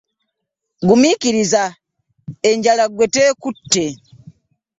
Gumiikiriza, enjala ggwe teekutte.